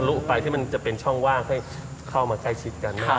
ลุไฟที่มันจะเป็นช่องว่างให้เข้ามาใกล้ชิดกัน